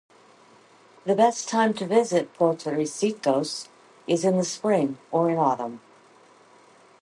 The best time to visit Puertecitos is in the spring or in autumn.